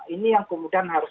ini yang kemudian harus